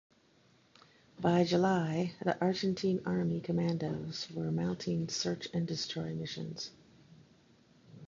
By July, the Argentine Army commandos were mounting search-and-destroy missions.